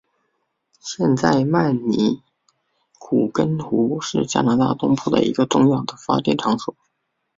现在曼尼古根湖是加拿大东部一个重要的发电场所。